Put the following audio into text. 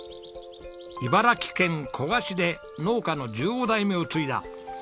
茨城県古河市で農家の１５代目を継いだ今日の主人公